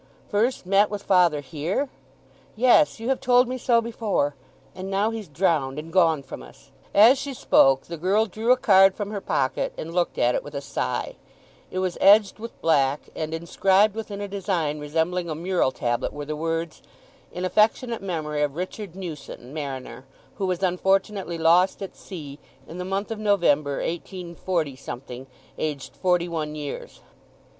"First met with father here? Yes, you have told me so before. And now he's drowned and gone from us!" As she spoke the girl drew a card from her pocket and looked at it with a sigh. It was edged with black, and inscribed within a design resembling a mural tablet were the words, "In affectionate memory of Richard Newson, mariner, who was unfortunately lost at sea, in the month of November 184—, aged forty one years."